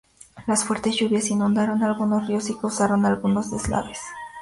Las fuertes lluvias inundaron algunos ríos y causaron algunos deslaves.